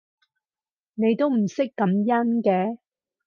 你都唔識感恩嘅